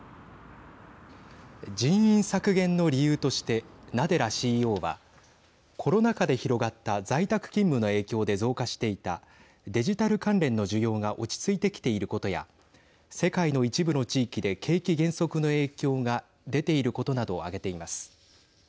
人員削減の理由としてナデラＣＥＯはコロナ禍で広がった在宅勤務の影響で増加していたデジタル関連の需要が落ち着いてきていることや世界の一部の地域で景気減速の影響が出ていることなどを挙げています。